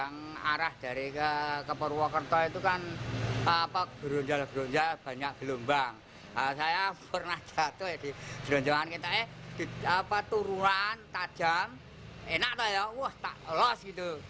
maka kita ya tururan tajam enak lah ya wah tak los gitu